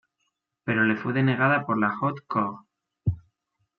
Pero le fue denegada por la "Haute Cour".